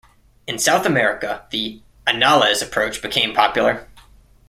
In South America the "Annales" approach became popular.